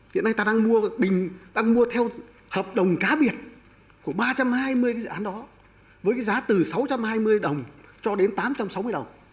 hiện nay ta đang mua bình đang mua theo hợp đồng cá biệt của ba trăm hai mươi cái dự án đó với cái giá từ sáu trăm hai mươi đồng cho đến tám trăm sáu mươi đồng